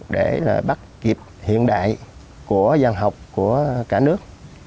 để là bắt kịp hiện đại của giàn học của cả nước